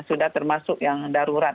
sudah termasuk yang darurat